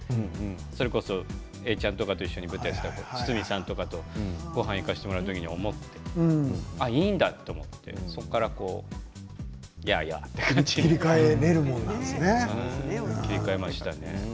それこそ栄子ちゃんと舞台をして堤さんとかとごはんに行かせてもらう時にいいんだと思ってそれからやあやあという感じで切り替えましたね。